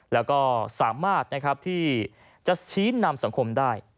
แล้วก็สามารถที่จะชี้นำสังคมได้